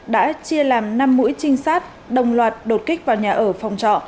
đã chia làm năm mũi trinh sát đồng loạt đột kích vào nhà ở phòng trọ